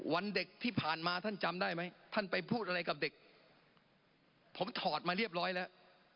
วันเด็กที่ผ่านมาท่านจำได้ไหมท่านไปพูดอะไรกับเด็กผมถอดมาเรียบร้อยแล้ว